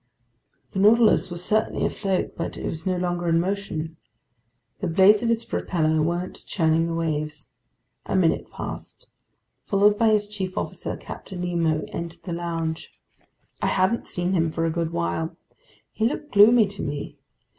The Nautilus was certainly afloat, but it was no longer in motion. The blades of its propeller weren't churning the waves. A minute passed. Followed by his chief officer, Captain Nemo entered the lounge. I hadn't seen him for a good while. He looked gloomy to me.